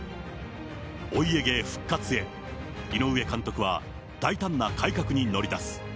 お家芸復活へ、井上監督は大胆な改革に乗り出す。